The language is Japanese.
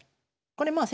これまあ